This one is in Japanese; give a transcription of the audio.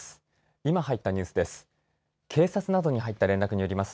今入ったニュースです。